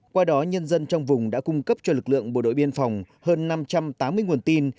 qua đó nhân dân trong vùng đã cung cấp cho lực lượng bộ đội biên phòng hơn năm trăm tám mươi nguồn tin